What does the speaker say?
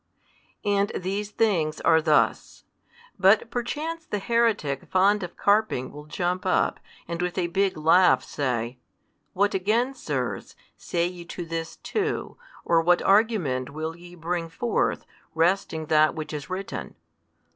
And these things are thus. But perchance the heretic fond of carping will jump up, and with a big laugh, say; What again, sirs, say ye to this too, or what argument will ye bring |135 forth, wresting that which is written?